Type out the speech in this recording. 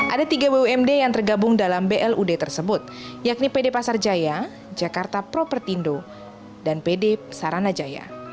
ada tiga bumd yang tergabung dalam blud tersebut yakni pd pasar jaya jakarta propertindo dan pd saranajaya